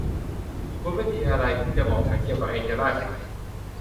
คุณไม่มีอะไรที่จะบอกฉันเกี่ยวกับแองเจลลาใช่ไหม